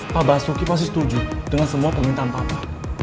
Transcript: pa basuki pasti setuju dengan semua permintaan papa